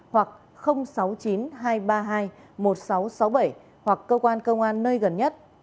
hoặc sáu mươi chín hai trăm ba mươi hai một nghìn sáu trăm sáu mươi bảy hoặc cơ quan công an nơi gần nhất